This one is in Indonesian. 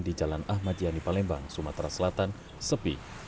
di jalan ahmad yani palembang sumatera selatan sepi